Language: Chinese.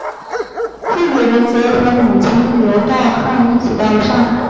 傅履仁则和母亲刘倬汉一起到了上海。